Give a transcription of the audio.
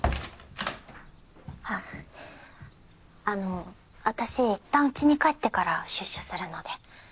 ああの私いったんうちに帰ってから出社するので。